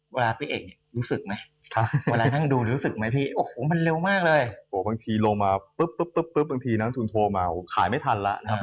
เวลาพี่เอกหรู้สึกไหม